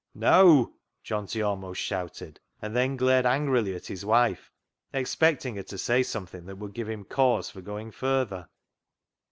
" Neaw !" Johnty almost shouted, and then glared angrily at his wife, expecting her to say something that would give him cause for going further.